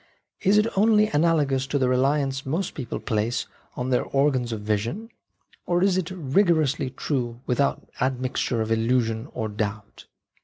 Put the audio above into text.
Is it only analogous to the reliance most people place on 16 UNTRUSTWORTHINESS OF SENSES their organs of vision, or is it rigorously true without admixture of illusion or doubt